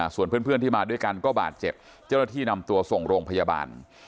ส่วนเพื่อนที่มาด้วยกันก็บาดเจ็บเจ้าหน้าที่นำตัวส่งโรงพยาบาล